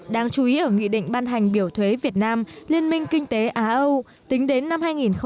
đáng chú ý ở nghị định ban hành biểu thuế việt nam liên minh kinh tế á âu tính đến năm hai nghìn hai mươi